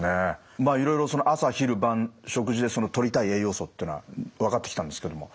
まあいろいろ朝昼晩食事でとりたい栄養素っていうのは分かってきたんですけども